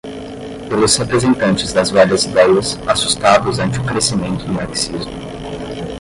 pelos representantes das velhas ideias, assustados ante o crescimento do marxismo